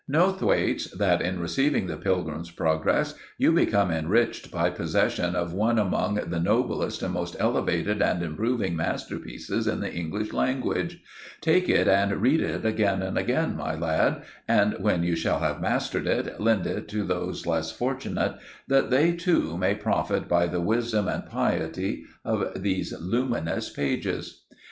Know, Thwaites, that in receiving the Pilgrim's Progress you become enriched by possession of one among the noblest and most elevated and improving masterpieces in the English language. Take it and read it again and again, my lad; and when you shall have mastered it, lend it to those less fortunate, that they, too, may profit by the wisdom and piety of these luminous pages."